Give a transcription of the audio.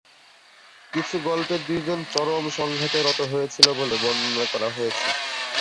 কিছু গল্পে দুইজন চরম সংঘাতে রত হয়েছিল বলে বর্ণনা করা হয়েছে।